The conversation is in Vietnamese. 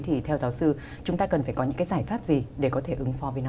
thì theo giáo sư chúng ta cần phải có những cái giải pháp gì để có thể ứng pho với nó